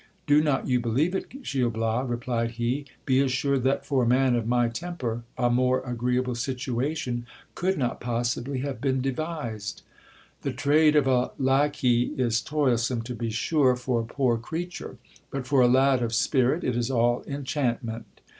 Do not you believe it, Gil Bias, replied he ; be as sured that for a man of my temper a more agreeable situation could not possibly have been devised. The trade of a lacquey is toilsome, to be sure, for a poor creature ; but for a lad of spirit it is all enchantment.